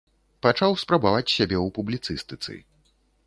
Пачаў спрабаваць сябе ў публіцыстыцы.